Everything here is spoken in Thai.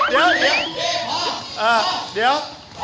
เฮ่ยเดี๋ยว